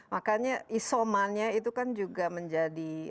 makanya isomannya itu kan juga menjadi